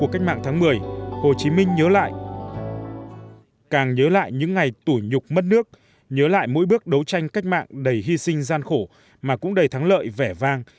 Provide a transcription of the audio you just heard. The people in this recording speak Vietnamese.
càng nhớ lại nhớ lại những ngày tủi nhục mất nước nhớ lại mỗi bước đấu tranh cách mạng đầy hy sinh gian khổ mà cũng đầy thắng lợi vẻ vang